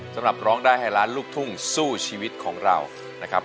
ร้องได้ให้ล้านลูกทุ่งสู้ชีวิตของเรานะครับ